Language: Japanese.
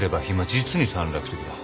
実に短絡的だ。